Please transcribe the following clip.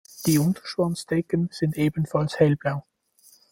Die Unterschwanzdecken sind ebenfalls hellblau.